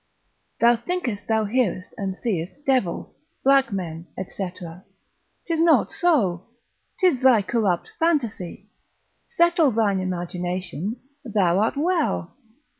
Thou thinkest thou hearest and seest devils, black men, &c., 'tis not so, 'tis thy corrupt fantasy; settle thine imagination, thou art well.